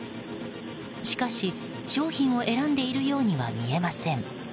しかし、商品を選んでいるようには見えません。